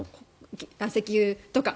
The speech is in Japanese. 石油とか。